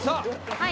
はい。